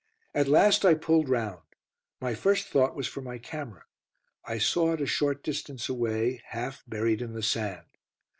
At last I pulled round; my first thought was for my camera. I saw it a short distance away, half buried in the sand.